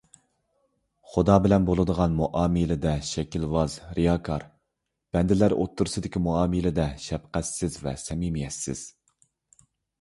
خۇدا بىلەن بولىدىغان مۇئامىلىدە شەكىلۋاز، رىياكار، بەندىلەر ئوتتۇرىسىدىكى مۇئامىلىدە شەپقەتسىز ۋە سەمىمىيەتسىز.